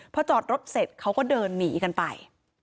พอจอดรถเสร็จเขาก็เดินหนีกันไป